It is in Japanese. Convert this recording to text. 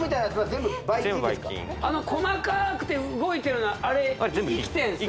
全部ばい菌あの細かくて動いてるのはあれ生きてるんですね